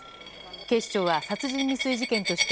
警視庁は殺人未遂事件として